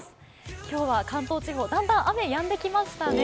今日は関東地方、だんだん雨、やんできましたね。